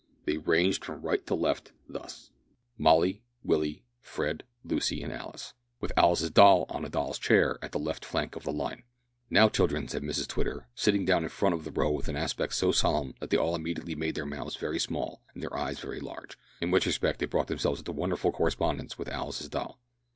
They ranged from right to left thus: Molly, Willie, Fred, Lucy, and Alice with Alice's doll on a doll's chair at the left flank of the line. "Now children," said Mrs Twitter, sitting down in front of the row with an aspect so solemn that they all immediately made their mouths very small and their eyes very large in which respect they brought themselves into wonderful correspondence with Alice's doll.